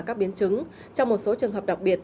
các biến chứng trong một số trường hợp đặc biệt